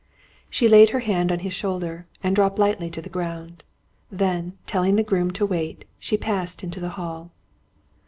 She laid her hand on his shoulder, and dropped lightly to the ground. Then, telling the groom to wait, she passed into the hall.